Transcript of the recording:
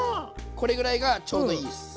これぐらいがちょうどいいです。